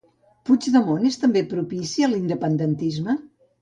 Puigdemont és també propici a l'independentisme?